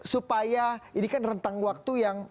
supaya ini kan rentang waktu yang